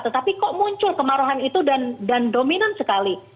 tetapi kok muncul kemarahan itu dan dominan sekali